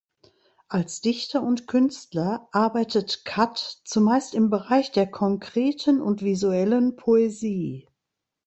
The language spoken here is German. Als Dichter und Künstler arbeitet Katt zumeist im Bereich der konkreten und visuellen Poesie.